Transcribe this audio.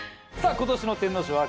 今年の天皇賞・秋